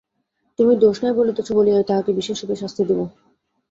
তুমি দোষ নাই বলিতেছ বলিয়াই তাহাকে বিশেষরূপে শাস্তি দিব!